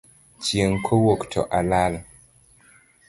Chieng' kowuok to olal.